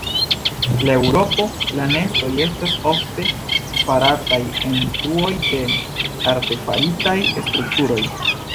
En Eŭropo la nestoj estas ofte farataj en truoj de artefaritaj strukturoj.